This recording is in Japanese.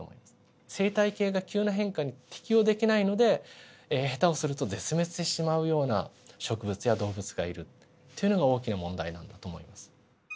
生態系が急な変化に適応できないので下手をすると絶滅してしまうような植物や動物がいるっていうのが大きな問題なんだと思います。